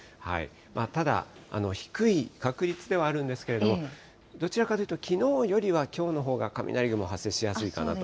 ただ、低い確率ではあるんですけれども、どちらかというときのうよりはきょうのほうが雷雲、発生しやすいかなと。